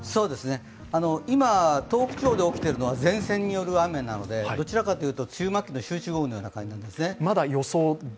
今、東北地方で起きているのは前線による雨なのでどちらかといえば梅雨末期の集中豪雨みたいな感じなんですね。